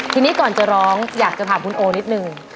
ทีนี้ก่อนจะร้องอยากจะถามคุณโอนิดนึง